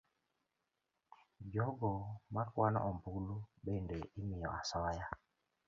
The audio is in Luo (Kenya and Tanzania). Jogo ma kwano ombulu bende imiyo asoya